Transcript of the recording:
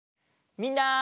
みんな！